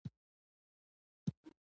د ښرنې هوا ګرمه ده